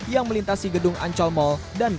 yang melintasi gedung ancol mall dan jalan jalanites